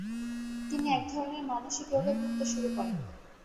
তিনি একধরনের মানসিক রোগে ভুগতে শুরু করেন।